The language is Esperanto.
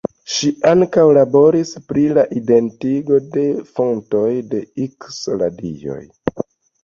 Ŝi ankaŭ laboris pri la identigo de fontoj de ikso-radioj.